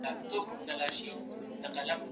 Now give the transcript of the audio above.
موږ د یو آرام او هوسا ژوند په لټه کې یو.